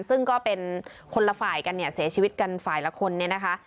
ซึ่งก็เป็นคนละฝ่ายกันเนี่ยเสียชีวิตกันฝ่ายละคนเนี่ยนะคะ